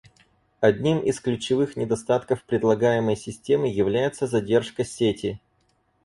Одним из ключевых недостатков предлагаемой системы является задержка сети